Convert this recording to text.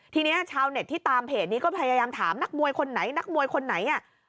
ทีนี้ชาวเน็ตที่ตามเพจนี้ก็พยายามถามร่างกายคนไหน